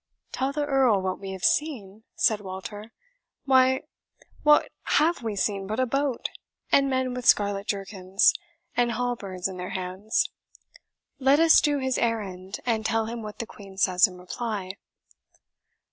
"Tell the Earl what we have seen!" said Walter; "why what have we seen but a boat, and men with scarlet jerkins, and halberds in their hands? Let us do his errand, and tell him what the Queen says in reply."